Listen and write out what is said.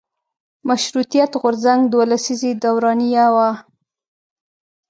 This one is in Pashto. مشروطیت غورځنګ دوه لسیزې دورانیه وه.